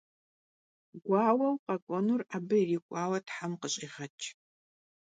Guaueu khek'uenur abı yirik'uaue them khış'iğeç'!